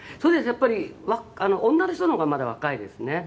やっぱり女の人の方がまだ若いですね」